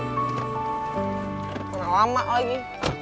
kena lama lagi